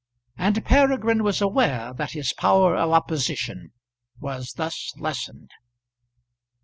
And Peregrine was aware that his power of opposition was thus lessened.